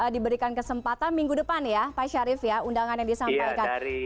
diberikan kesempatan minggu depan ya pak syarif ya undangan yang disampaikan